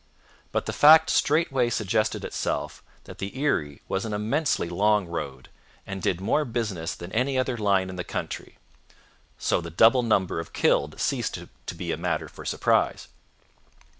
But the fact straightway suggested itself that the Erie was an immensely long road, and did more business than any other line in the country; so the double number of killed ceased to be matter for surprise.